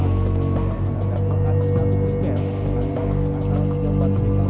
agar mengatasi satu kejadian agar asal tidak berdikam dikam